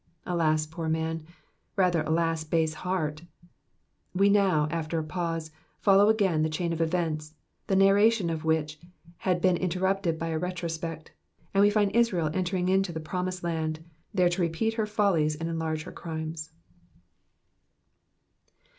Alas, poor man ! Rather, alas, base heart ! We now, after a pause, follow again the chain of events, the narration of which had been interrupted by a retrospect, and we find Israel entering into the promised land, there to repeat her follies and enlarge her crimes.